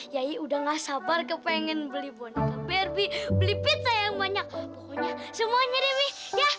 yayi udah nggak sabar kepengen beli boneka barbie beli pizza yang banyak pokoknya semuanya deh mi ya